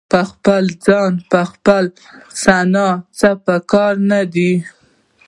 په خپل ځان خپله ثنا څه په کار نه ده.